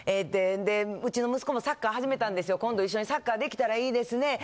でうちの息子もサッカー始めたんですよ、今度一緒にサッカーできたらいいですね。